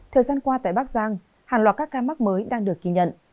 thời gian qua tại bắc giang hàng loạt các ca mắc mới đang được kỳ nhận